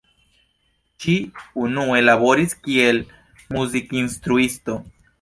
Ŝi unue laboris kiel muzikinstruisto.